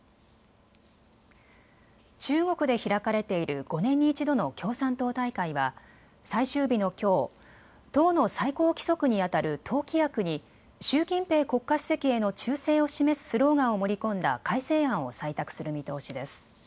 中国で開かれている５年に１度の共産党大会は最終日のきょう、党の最高規則にあたる党規約に習近平国家主席への忠誠を示すスローガンを盛り込んだ改正案を採択する見通しです。